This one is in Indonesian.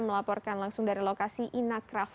suporkan langsung dari lokasi inakraft